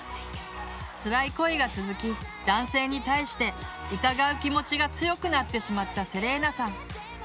つらい恋が続き男性に対して疑う気持ちが強くなってしまったセレーナさん。